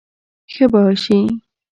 ښه به شې.